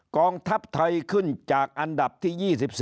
กองทัพไทยขึ้นจากอันดับที่๒๔